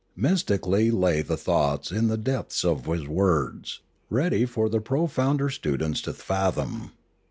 Mystically lay the thoughts in the depths of his words, ready for the profounder students to fathom.